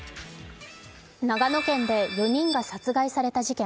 長野県で４人が殺害された事件。